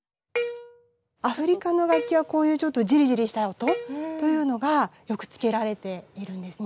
アフリカの楽器はこういうちょっとジリジリした音というのがよくつけられているんですね。